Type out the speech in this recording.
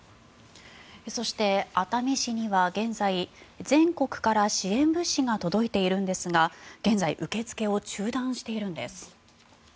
そして、熱海市には現在全国から支援物資が届いているんですが現在、受け付けを中断しているんです。